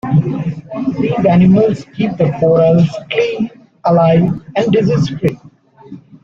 These animals keep the corals clean, alive, and disease-free.